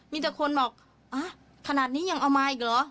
มีแต่คนมองว่าขนาดนี่ยังเอามาอีกหรอ